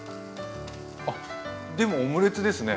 あでもオムレツですね。